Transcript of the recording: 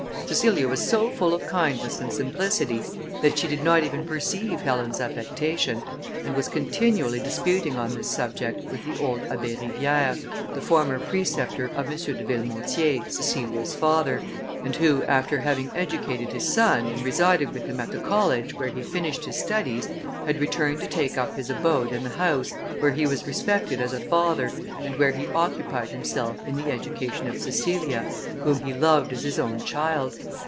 Cecilia was so full of kindness and simplicity, that she did not even perceive Helen's affectation, and was continually disputing on this subject with the old Abbé Rivière, the former preceptor of M. de Villemontier, Cecilia's father, and who, after having educated his son, and resided with him at the college, where he finished his studies, had returned to take up his abode in the house, where he was respected as a father, and where he occupied himself in the education of Cecilia, whom he loved as his own child.